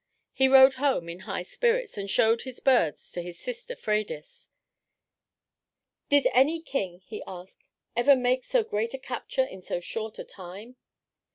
He rode home in high spirits and showed his birds to his sister Freydis. "Did any king," he asked, "ever make so great a capture in so short a time?"